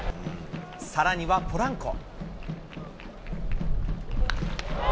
さらにはポランコ。